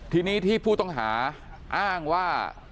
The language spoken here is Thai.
ทีนี้ที่ผู้ต้องหาอ้างว่า